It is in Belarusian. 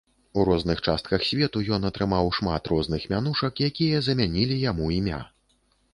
У розных частках свету ён атрымаў шмат розных мянушак, якія замянілі яму імя.